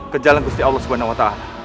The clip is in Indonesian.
ke jalan gusti allah swt